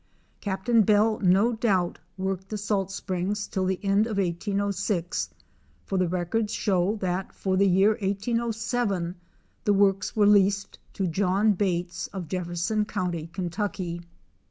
Captain Bell no doubt worked the salt springs till the end of 1806, for the records show that for the year 1807 the works were leased to John Bates of JefiPerson county, Kentucky.